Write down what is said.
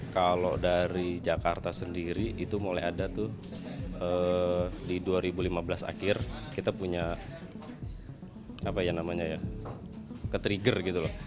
kalau dari jakarta sendiri itu mulai ada tuh di dua ribu lima belas akhir kita punya apa ya namanya ya ketrigger gitu loh